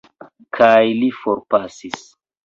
Kaj li forpasis.